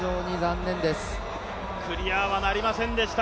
クリアはなりませんでした。